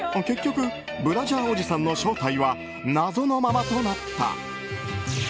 結局、ブラジャーおじさんの正体は謎のままとなった。